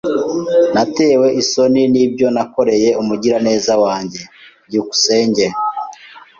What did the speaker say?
Natewe isoni nibyo nakoreye umugiraneza wanjye. byukusenge